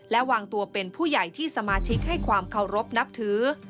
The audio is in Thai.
และวางตัวเป็นผู้ใหญ่ที่สมาชิกให้ความเคารพนับถือ